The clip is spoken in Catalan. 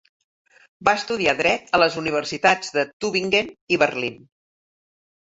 Va estudiar Dret a les universitats de Tübingen i Berlín.